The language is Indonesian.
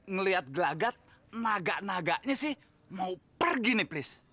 ngelihat gelagat naga naganya sih mau pergi nih please